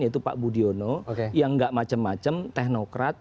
yaitu pak budiono yang gak macem macem teknokrat